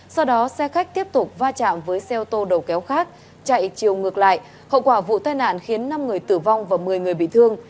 sau đó xe khách tiếp tục va chạm với xe ô tô đầu kéo khác chạy chiều ngược lại hậu quả vụ tai nạn khiến năm người tử vong và một mươi người bị thương